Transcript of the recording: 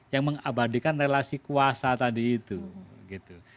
yang mengabadikan relasi kuasa tadi itu gitu